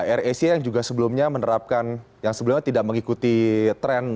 air asia yang juga sebelumnya menerapkan yang sebelumnya tidak mengikuti tren